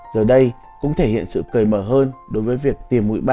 giờ đây cũng thể hiện sự cởi mở hơn đối với việc tìm mũi ba